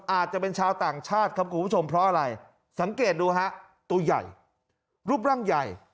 อาจจะเป็นชาวต่างชาติครับคุณผู้ชมเพราะอะไรสังเกตดูฮะตัวใหญ่รูปร่างใหญ่